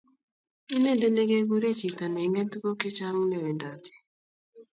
Inendet negekuree chito neingen tugun chechang newendoti